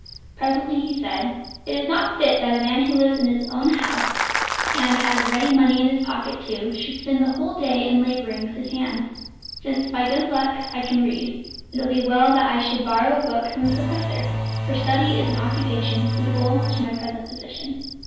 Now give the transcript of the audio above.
Presently he said; "It is not fit that a man who lives in his own house, and has ready money in his pocket too, should spend the whole day in labouring with his hands. Since by good luck I can read, it would be well that I should borrow a book from the professor, for study is an occupation suitable to my present position."